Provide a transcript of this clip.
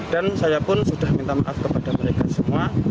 dan saya pun sudah minta maaf kepada mereka semua